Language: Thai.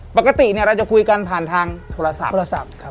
ปกติเราจะคุยกันผ่านทางโทรศัพท์โทรศัพท์